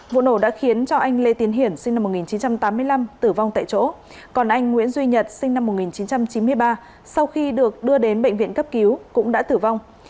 vụ nổ đã khiến cho anh lê tiến hiển sinh năm một nghìn chín trăm tám mươi năm tử vong tại chỗ còn anh nguyễn duy nhật sinh năm một nghìn chín trăm chín mươi ba sau khi được đưa đến bệnh viện cấp cứu cũng đã tử vong